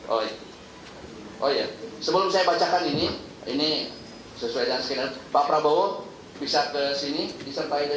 oh ya oh ya sebelum saya bacakan ini ini sesuai dengan sekitar pak prabowo bisa ke sini disampaikan